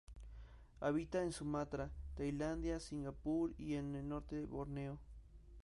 Habita en Sumatra, Tailandia, Singapur y en el norte de Borneo.